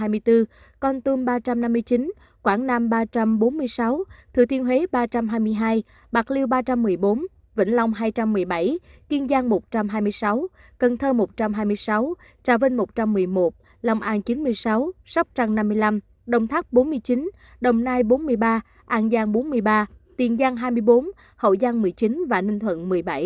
ninh sáu tám mươi bảy bình thuận năm hai mươi bốn con tum ba năm mươi chín quảng nam ba bốn mươi sáu thừa thiên huế ba hai mươi hai bạc liêu ba một mươi bốn vĩnh long hai một mươi bảy kiên giang một hai mươi sáu cần thơ một hai mươi sáu trà vinh một một mươi một lòng an chín một mươi sáu sóc trăng năm năm mươi năm đồng thác bốn chín đồng nai bốn một mươi ba an giang bốn một mươi ba tiền giang hai mươi bốn hậu giang một mươi chín và ninh thuận một mươi bảy